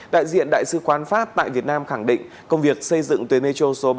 đại diện đại sứ quán pháp tại việt nam khẳng định công việc xây dựng tuyến metro số ba